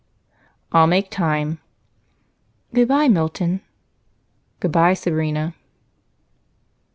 "I'll make time." "Good bye, Milton." "Good bye, Sabrina."